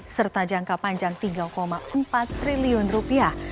serta jangka panjang tiga empat triliun rupiah